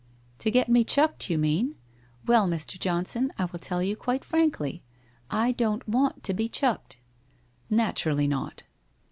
'' To get me chucked, you mean. Well, Mr. Johnson, I will tell you quite frankly, I don't want to be chucked.' 1 Naturally not.'